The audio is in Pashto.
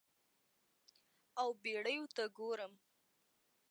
او بیړیو ته ګورم